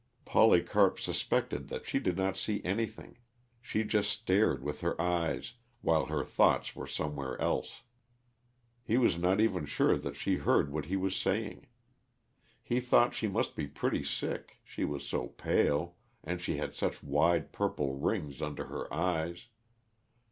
Polycarp suspected that she did not see anything she just stared with her eyes, while her thoughts were somewhere else. He was not even sure that she heard what he was saying. He thought she must be pretty sick, she was so pale, and she had such wide, purple rings under her eyes.